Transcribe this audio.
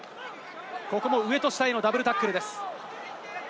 ここも上と下へのダブルタックルです。